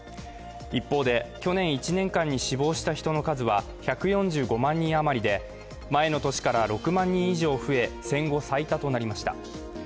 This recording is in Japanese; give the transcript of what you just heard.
一方で、去年１年間に死亡した人の数は１４５万人余りで前の年から６万人以上増え、戦後最多となりました。